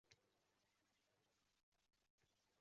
Kezar edim, meni tinmayin